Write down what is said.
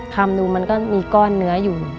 คำดูมันก็มีก้อนเนื้ออยู่